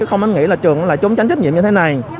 không anh nghĩ là trường lại chống tránh trách nhiệm như thế này